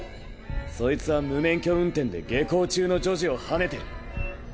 そいつは無免許運転で下校中の女児をはねてる。